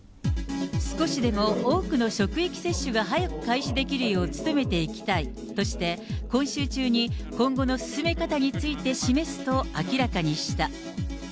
少しでも多くの職域接種が早く開始できるよう努めていきたいとして、今週中に今後の進め方について示すと明らかにした。